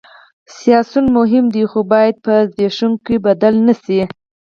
سیاسیون مهم دي خو باید په زبېښونکو بدل نه شي